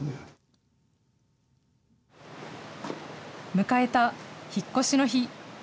迎えた引っ越しの日。